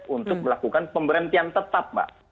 untuk melakukan pemberhentian tetap mbak